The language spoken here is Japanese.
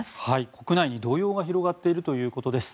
国内に動揺が広がっているということです。